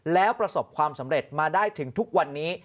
แล้วประสบความสำเร็จมาได้ถึงทุกวันนี้